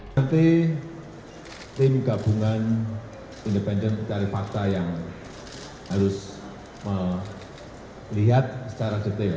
nanti tim gabungan independen mencari fakta yang harus melihat secara detail